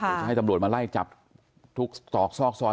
จะให้ตำรวจมาไล่จับทุกตอกซอกซอย